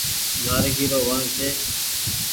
نآريگي رو وڻ ڇي